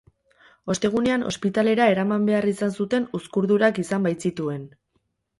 Ostegunean ospitalera eraman behar izan zuten uzkurdurak izan baitzituen.